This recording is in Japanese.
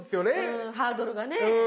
うんハードルがね。